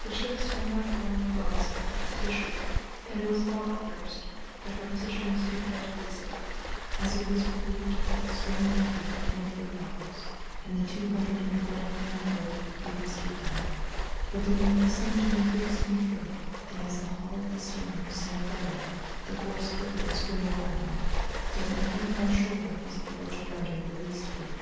The ship swung around broadside to the shore, and it was thought at first that her position was comparatively safe, as it was believed that the storm would abate in a few hours, and the two hundred and forty men on board could be rescued then; but the wind seemed to increase in fury, and as the hull of the steamer sank lower the force of the waves grew more violent, yet no one on shore was able to render the least aid.